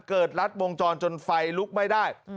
รัดวงจรจนไฟลุกไม่ได้